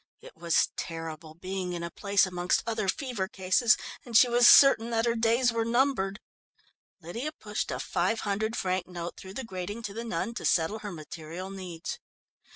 It was terrible being in a place amongst other fever cases, and she was certain that her days were numbered.... Lydia pushed a five hundred franc note through the grating to the nun, to settle her material needs.